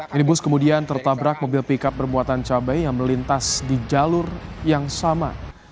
minibus kemudian tertabrak mobil pickup bermuatan cabai yang melintas di jalur yang sama